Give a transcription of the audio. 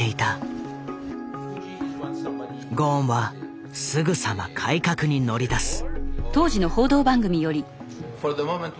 ゴーンはすぐさま改革に乗り出す。